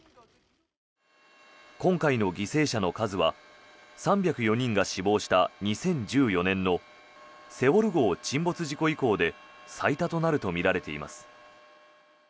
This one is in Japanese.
今回の犠牲者の数は３０４人が死亡した２０１４年の「セウォル号」沈没事故以降で最多となるとみられています。